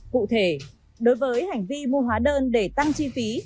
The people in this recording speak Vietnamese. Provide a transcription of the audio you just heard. cụ thể đối với hành vi mua hóa đơn để tăng chi phí